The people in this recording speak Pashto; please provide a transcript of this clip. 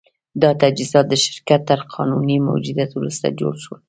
دا تجهیزات د شرکت تر قانوني موجودیت وروسته جوړ شول